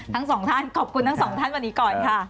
ทั้งสองท่านขอบคุณทั้งสองท่านวันนี้ก่อนค่ะ